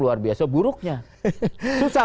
luar biasa buruknya susah